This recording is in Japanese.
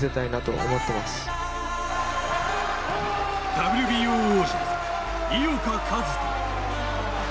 ＷＢＯ王者・井岡一翔。